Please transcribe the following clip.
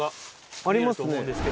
ありますね。